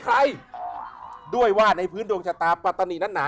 ใครว่าในพื้นดวงชะตาปรัตนินัทหนะ